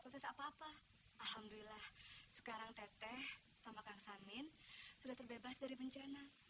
proses apa apa alhamdulillah sekarang teteh sama kang samin sudah terbebas dari bencana